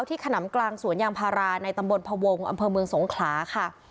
ขนำกลางสวนยางพาราในตำบลพวงอำเภอเมืองสงขลาค่ะ